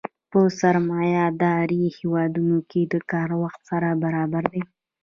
په سرمایه داري هېوادونو کې د کار وخت سره برابر دی